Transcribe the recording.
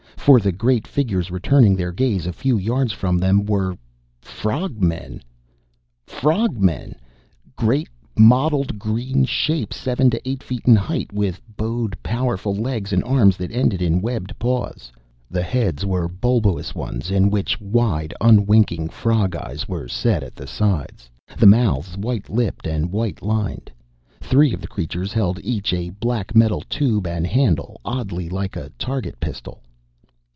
For the great figures returning their gaze a few yards from them were frog men! Frog men! Great mottled green shapes seven to eight feet in height, with bowed, powerful legs and arms that ended in webbed paws. The heads were bulbous ones in which wide, unwinking frog eyes were set at the sides, the mouths white lipped and white lined. Three of the creatures held each a black metal tube and handle oddly like a target pistol.